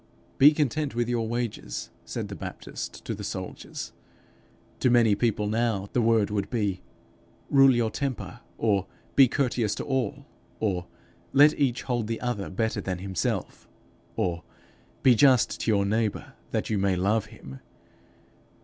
'Be content with your wages,' said the Baptist to the soldiers. To many people now, the word would be, 'Rule your temper;' or, 'Be courteous to all;' or, 'Let each hold the other better than himself;' or, 'Be just to your neighbour that you may love him.'